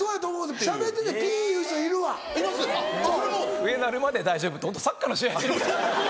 笛鳴るまで大丈夫ってホントサッカーの試合。